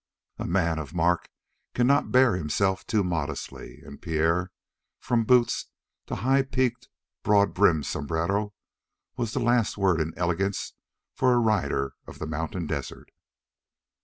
A man of mark cannot bear himself too modestly, and Pierre, from boots to high peaked, broad brimmed sombrero, was the last word in elegance for a rider of the mountain desert.